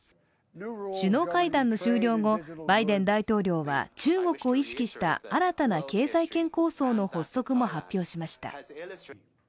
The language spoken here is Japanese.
首脳会談の終了後、バイデン大統領は中国を意識した新たな経済圏構想の発足も発表しました。